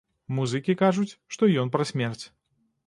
Музыкі кажуць, што ён пра смерць.